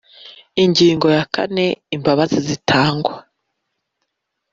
Ingingo ya kane Imbabazi zitangwa